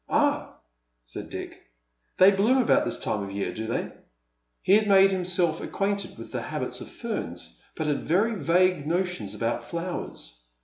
"Ah," said Dick, "they bloom about this time of year, do they ?" He had made himself acquainted with the habits of ferns, but had very vague notions about flowers.